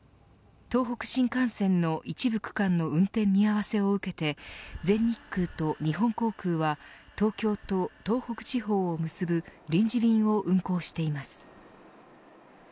東北新幹線の一部区間の運転見合わせを受けて全日空と日本航空は東京と東北地方を結ぶ臨時便を運航しています。